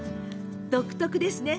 独特ですね。